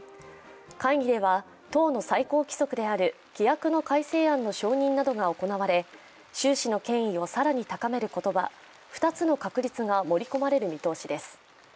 会議では、党の最高規則である規約の改正案の承認などが行われ習氏の権威を更に高める言葉「二つの確立」が盛り込まれる見通しです。